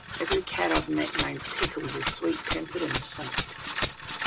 Every cat I've met named Pickles is sweet-tempered and soft.